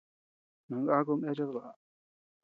Nangakud neachead baʼa.